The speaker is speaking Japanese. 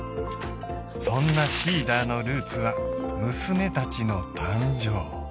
そんなＳｅｅｄｅｒのルーツは娘たちの誕生